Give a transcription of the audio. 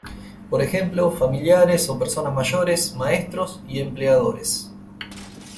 Por ejemplo, familiares o personas mayores, maestros y empleadores.